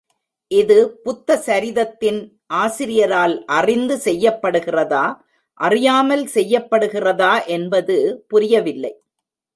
இது புத்த சரிதத்தின் ஆசிரியரால் அறிந்து செய்யப்படுகிறதா, அறியாமல் செய்யப்படுகிறதா என்பது புரியவில்லை.